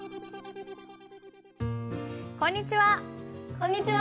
こんにちは。